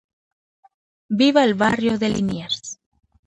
Vivía en el barrio de Liniers.